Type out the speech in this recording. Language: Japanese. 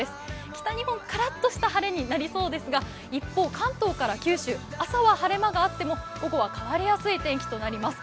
北日本、からっとした晴れになりそうですが、一方関東から九州、朝は晴れ間があっても午後は変わりやすい天気となります。